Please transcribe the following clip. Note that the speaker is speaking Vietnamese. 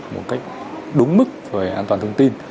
một cách đúng mức về an toàn thông tin